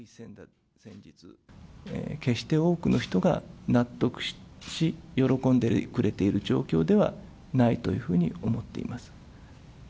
決して多くの人が納得し喜んでくれている状況ではないというふうに思っています。